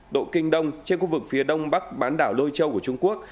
một trăm một mươi độ kinh đông trên khu vực phía đông bắc bán đảo lôi châu của trung quốc